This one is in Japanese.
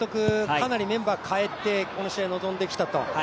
かなりメンバー変えてこの試合、臨んできたと。